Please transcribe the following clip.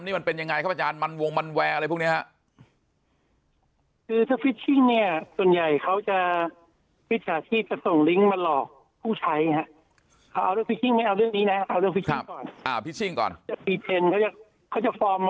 นี่มันเป็นยังไงครับอาจารย์มันวงมันแวร์อะไรพวกนี้ครับ